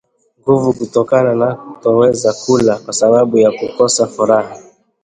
nguvu kutokana na kutoweza kula kwasababu ya kukosa furaha